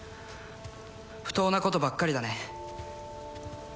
不当なことばっかりだね